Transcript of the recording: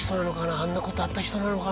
あんな事あった人なのかな？